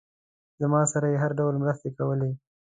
زما سره یې هر ډول مرستې کولې.